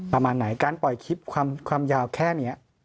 ประมาณไหนการปล่อยคลิปความยาวแค่นี้